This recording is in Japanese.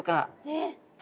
えっ？